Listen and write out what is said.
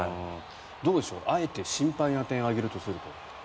どうでしょう、あえて心配な点を挙げるとすると。